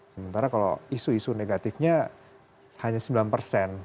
sementara kalau isu isu negatifnya hanya sembilan persen